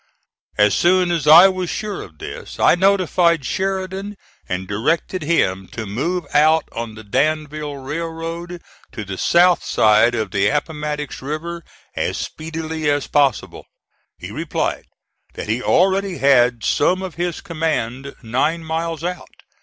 As soon as I was sure of this I notified Sheridan and directed him to move out on the Danville Railroad to the south side of the Appomattox River as speedily as possible. He replied that he already had some of his command nine miles out.